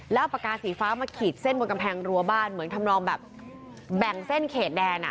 แล้วปากกาสีฟ้ามาขีดเส้นบนกำแพงรัวบ้านเหมือนทำนองแบบแบ่งเส้นเขตแดนอ่ะ